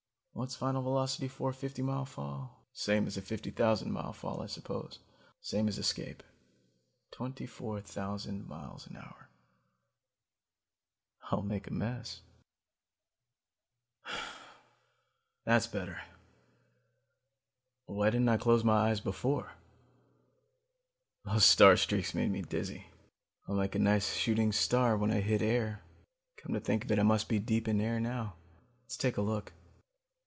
What's final velocity for a fifty mile fall? Same as a fifty thousand mile fall, I suppose; same as escape; twenty four thousand miles an hour. I'll make a mess ..."That's better. Why didn't I close my eyes before? Those star streaks made me dizzy. I'll make a nice shooting star when I hit air. Come to think of it, I must be deep in air now. Let's take a look.